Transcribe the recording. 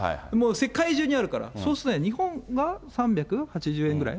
世界中にあるから、そうするとね、日本は３８０円ぐらい？